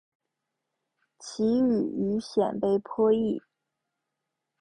其语与鲜卑颇异。